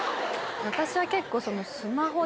私は結構。